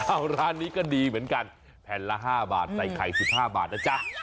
ร้านนี้ก็ดีเหมือนกันแผ่นละ๕บาทใส่ไข่๑๕บาทนะจ๊ะ